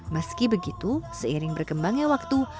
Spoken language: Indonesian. meski begitu seiring berkembangnya waktu